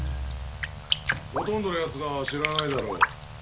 ほとんどのやつが知らないだろう。